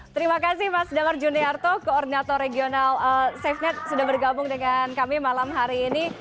terima kasih mas damar juniarto koordinator regional safenet sudah bergabung dengan kami malam hari ini